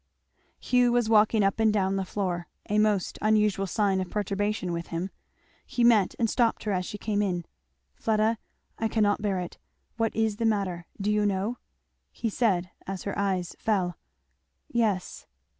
Hugh was walking up and down the floor a most unusual sign of perturbation with him. He met and stopped her as she came in. "Fleda, I cannot bear it. What is the matter? Do you know?'" he said as her eyes fell. "Yes.